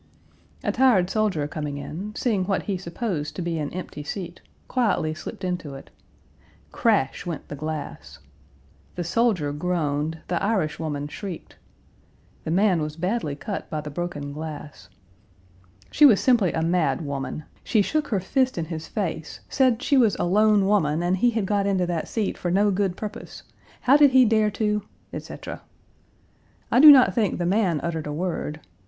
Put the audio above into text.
A tired soldier coming in, seeing what he supposed to be an empty seat, quietly slipped into it. Crash went the glass. The soldier groaned, the Irish woman shrieked. The man was badly cut by the broken glass. She was simply a mad woman. She shook her fist in his face; said she was a lone woman and he had got into that seat for no good purpose. How did he dare to? etc. I do not think the man uttered a word.